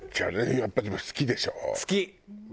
やっぱでも好きでしょ？